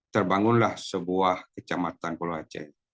terbangunlah sebuah kecamatan pulau aceh